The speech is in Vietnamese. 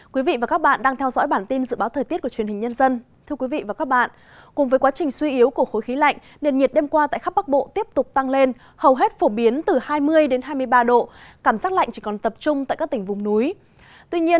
các bạn hãy đăng ký kênh để ủng hộ kênh của chúng mình nhé